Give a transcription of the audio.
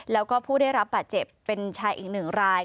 แล้วก็ผู้ได้รับบาดเจ็บเป็นชายอีกหนึ่งราย